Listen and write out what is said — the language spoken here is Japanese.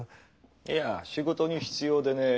いや仕事に必要でね。